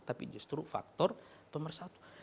tapi justru faktor pemersatu